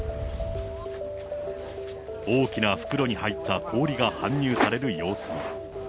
大きな袋に入った氷が搬入される様子も。